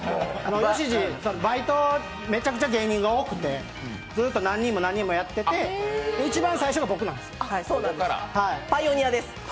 一時バイト、めちゃくちゃ芸人が多くて何人も何人もやってて一番最初は僕なんです。